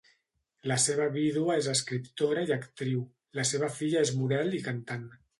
La seva vídua és escriptora i actriu, la seva filla és model i cantant.